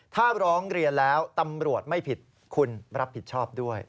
ถ้าร้องเรียนแล้วตำรวจไม่ผิดคุณรับผิดชอบด้วย